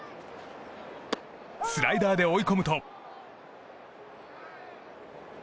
スライダーで追い込むと。